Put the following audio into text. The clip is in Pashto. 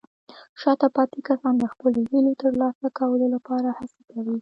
شاته پاتې کسان د خپلو هیلو ترلاسه کولو لپاره هڅې کوي.